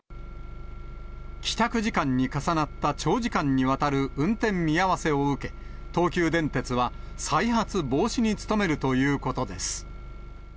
帰宅時間に重なった長時間にわたる運転見合わせを受け、東急電鉄は再発防止に努めるということです。